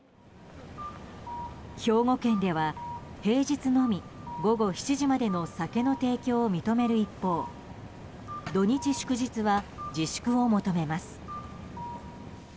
兵庫県では平日のみ午後７時までの酒の提供を認める一方土日祝日は自粛を求めます。